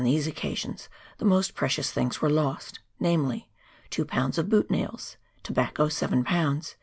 179 these occasions the most precious things were lost, namely, two lbs. of boot nails, tobacco 7 lbs.